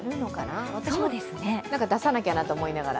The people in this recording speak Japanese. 私も出さなきゃなと思いながら。